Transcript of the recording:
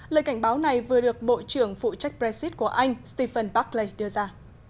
lời cảnh báo này vừa được bộ trưởng phụ trách brexit của anh stephen buckley đưa ra